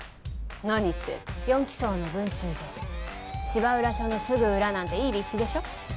何って４機捜の分駐所芝浦署のすぐ裏なんていい立地でしょ